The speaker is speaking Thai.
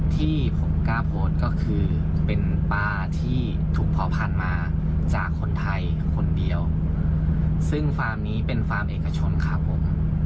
ที่ผมกล้าโพสต์ก็คือเป็นป้าที่ถูกเผาพันธุ์มาจากคนไทยคนเดียวซึ่งฟาร์มนี้เป็นฟาร์มเอกชนครับผม